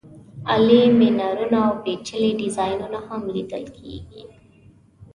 عالي مېنارونه او پېچلي ډیزاینونه هم لیدل کېږي.